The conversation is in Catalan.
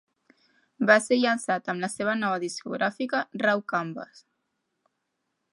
Va ser llançat amb la seva nova discogràfica Raw Canvas.